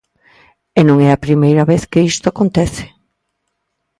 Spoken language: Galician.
E non é a primeira vez que isto acontece.